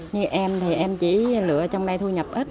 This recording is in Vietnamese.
như em thì em chỉ lựa trong đây thu nhập ít